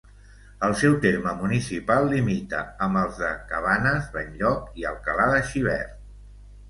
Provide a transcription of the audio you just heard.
El seu terme municipal limita amb els de Cabanes, Benlloc i Alcalà de Xivert.